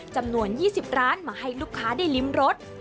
จำนวน๒๐ร้านมาให้ลูกค้าได้ริมรส